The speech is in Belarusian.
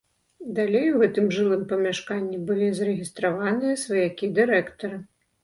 Далей у гэтым жылым памяшканні былі зарэгістраваныя сваякі дырэктара.